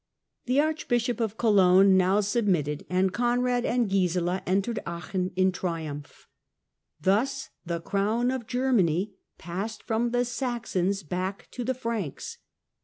The Arclibishop of Cologne now sub mitted, and Conrad and Gisela entered Aachen in triumph, Thus the crown of Germany passed from the Saxons back to the Franks.